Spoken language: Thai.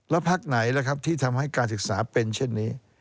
แล้วพักไหนล่ะครับที่ทำให้การศึกษาเป็นเช่นนี้